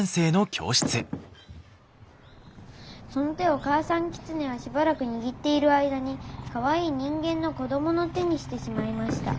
「その手を母さんキツネはしばらくにぎっている間にかわいい人間の子供の手にしてしまいました。